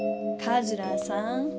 カズラーさん。